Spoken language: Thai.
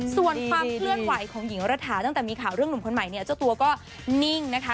ส่วนความเคลื่อนไหวของหญิงรัฐาตั้งแต่มีข่าวเรื่องหนุ่มคนใหม่เนี่ยเจ้าตัวก็นิ่งนะคะ